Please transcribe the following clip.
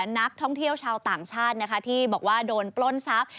นักท่องเที่ยวชาวต่างชาตินะคะที่บอกว่าโดนปล้นทรัพย์